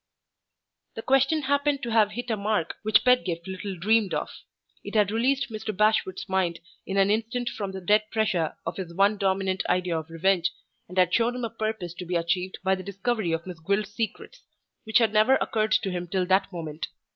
The question happened to have hit a mark which Pedgift little dreamed of. It had released Mr. Bashwood's mind in an instant from the dead pressure of his one dominant idea of revenge, and had shown him a purpose to be achieved by the discovery of Miss Gwilt's secrets which had never occurred to him till that moment.